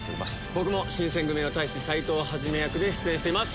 僕も新選組の隊士斎藤一役で出演しています。